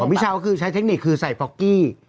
พี่เช้าก็คือใช้เทคนิคคือใส่ป๊อกกี้